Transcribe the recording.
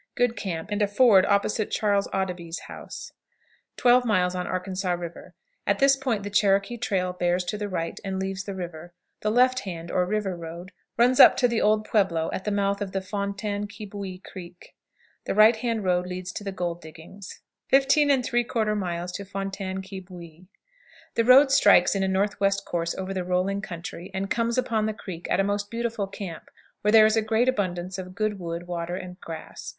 Good camp, and a ford opposite Charles Audebee's house. 12. Arkansas River. At this point the Cherokee trail bears to the right and leaves the river. The left hand, or river road, runs up to the old pueblo at the mouth of the Fontaine qui Bouille Creek. The right hand road leads to the gold diggings. [Illustration: SANGRE DE CRISTO PASS.] 15 3/4. Fontaine qui Bouille. The road strikes in a northwest course over the rolling country, and comes upon the creek at a most beautiful camp, where there is a great abundance of good wood, water, and grass.